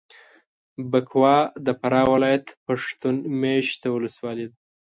بکوا د فراه ولایت پښتون مېشته ولسوالي ده.